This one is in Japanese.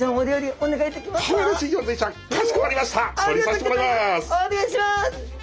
お願いします。